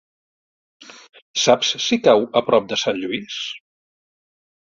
Saps si cau a prop de Sant Lluís?